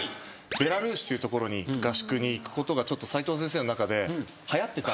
ベラルーシっていう所に合宿に行くことが斉藤先生の中ではやってた。